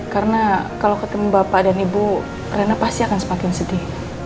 karena kalau ketemu bapak dan ibu rena pasti akan semakin sedih